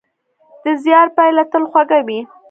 د زیار پایله تل خوږه وي.